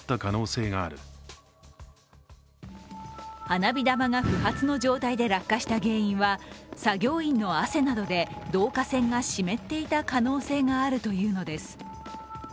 花火玉が不発の状態で落下した原因は作業員の汗などで導火線が湿っていた可能性があるというのです。